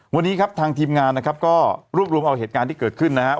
วันนี้ครับทางทีมงานนะครับก็รวบรวมเอาเหตุการณ์ที่เกิดขึ้นนะครับ